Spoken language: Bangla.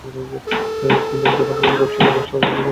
কিনব যখন তোমাদের ব্যাবসাকে ব্যাবসা বলে বুঝব।